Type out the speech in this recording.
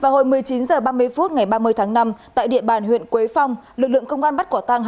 hồi một mươi chín h ba mươi phút ngày ba mươi tháng năm tại địa bàn huyện quế phong lực lượng công an bắt quả tăng